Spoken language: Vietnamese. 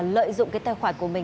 lợi dụng cái tài khoản của mình